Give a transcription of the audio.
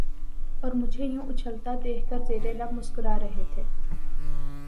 اور مجھے یوں اچھلتا دیکھ کر زیرلب مسکرا رہے تھے